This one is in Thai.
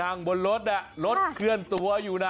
นั่งบนรถน่ะรถเคลื่อนตัวอยู่นะ